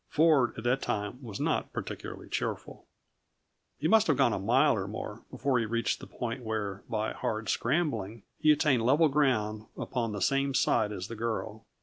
Ford, at that time, was not particularly cheerful. He must have gone a mile and more before he reached the point where, by hard scrambling, he attained level ground upon the same side as the girl.